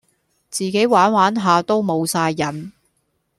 自己玩玩下都無哂癮